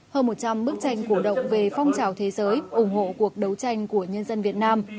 hơn một trăm linh bức tranh cổ động về phong trào thế giới ủng hộ cuộc đấu tranh của nhân dân việt nam